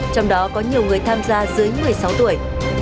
trong đó có nhiều người tham gia dưới một mươi sáu tuổi